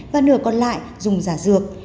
và nửa còn lại dùng giả dược